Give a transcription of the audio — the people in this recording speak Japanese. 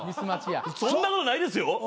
そんなことないですよ。